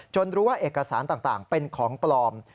รู้ว่าเอกสารต่างเป็นของปลอม